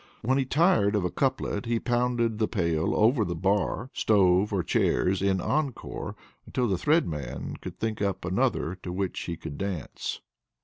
When he tired of a couplet, he pounded the pail over the bar, stove, or chairs in encore, until the Thread Man could think up another to which he could dance.